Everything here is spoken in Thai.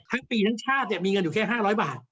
ทั้งปีทั้งชาติมีเงินอยู่แค่๕๐๐บาท